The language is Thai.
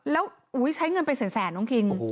แล้วใช้เงินเป็นแสนน้องคิง